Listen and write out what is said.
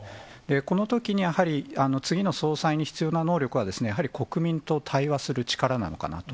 このときにやはり、次の総裁に必要な能力は、やはり国民と対話する力なのかなと。